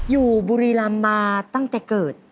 อยู่บุรีรำมาตั้งแต่เกิด